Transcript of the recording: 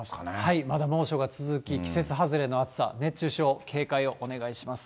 まだ猛暑が続き、季節外れの暑さ、熱中症、警戒をお願いします。